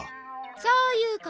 そういうこと。